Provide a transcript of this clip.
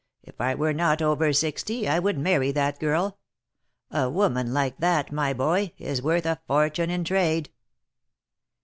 if I were not over sixty, I would marry that girl ! A woman like that, my boy, is worth a fortune in trade